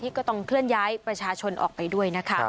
ก็ต้องเคลื่อนย้ายประชาชนออกไปด้วยนะคะ